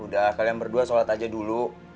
udah kalian berdua sholat aja dulu